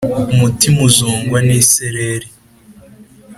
Umutima uzongwa nisereri,